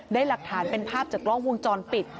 ได้หลักฐานเป็นภาพจากกล้องวงจรปิด